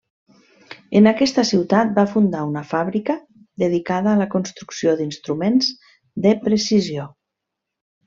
En aquesta ciutat va fundar una fàbrica dedicada a la construcció d'instruments de precisió.